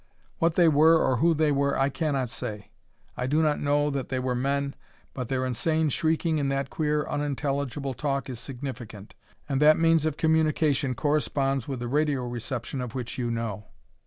"What they were or who they were I cannot say. I do not know that they were men, but their insane shrieking in that queer unintelligible talk is significant. And that means of communication corresponds with the radio reception of which you know.